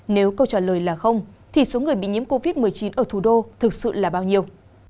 nếu câu trả lời là không thì số người bị nhiễm covid một mươi chín ở thủ đô thực sự là bao nhiêu